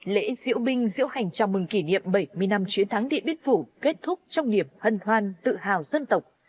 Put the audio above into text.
lễ diễu binh diễu hành chào mừng kỷ niệm bảy mươi năm chiến thắng điện biên phủ kết thúc trong niềm hân hoan tự hào dân tộc